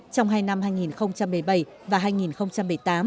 trong hai năm hai nghìn một mươi bảy